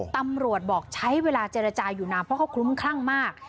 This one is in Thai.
ตำรวจบอกใช้เวลาเจรจาอยู่นานเพราะเขาคลุ้มคลั่งมาก